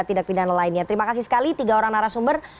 tindak pidana lainnya terima kasih sekali tiga orang narasumber